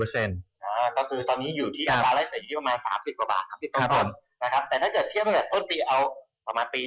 อื้อคือตอนนี้อยู่ที่ละหลายปีที่ประมาณ๓๐บาท